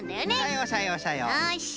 よし。